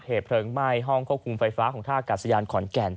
เหตุเพลิงไหม้ห้องควบคุมไฟฟ้าของท่ากาศยานขอนแก่น